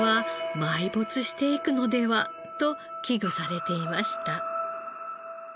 と危惧されていました。